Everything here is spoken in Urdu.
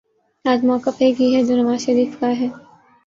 آج مؤقف ایک ہی ہے جو نواز شریف کا ہے